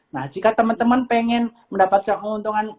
nah jika teman teman pengen mendapatkan keuntungan